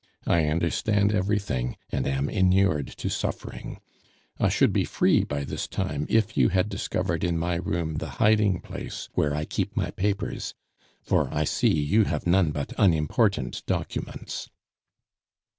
"I understand everything, and am inured to suffering. I should be free by this time if you had discovered in my room the hiding place where I keep my papers for I see you have none but unimportant documents."